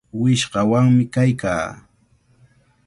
Wishqawanmi kaykaa.